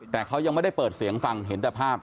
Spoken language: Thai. แต่เขายังไม่ได้เปิดเสียงฟังเห็นแต่ภาพ